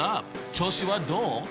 調子はどう？